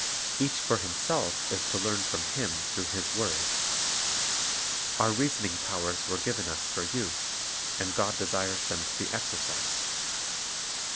Each for himself is to learn from Him through His word. Our reasoning powers were given us for use, and God desires them to be exercised.